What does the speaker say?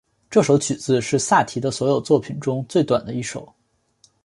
这首曲子是萨提的所有作品中最短的一首。